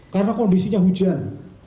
karena kondisinya hujan